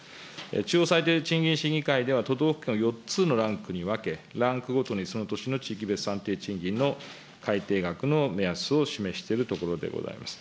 中央最低賃金審議会では、都道府県を４つのランクに分け、ランクごとにその年の地域別最低賃金の改定額の目安を示しているところでございます。